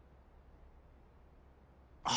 あ。